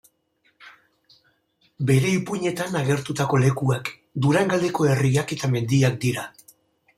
Bere ipuinetan agertutako lekuak Durangaldeko herriak eta mendiak dira.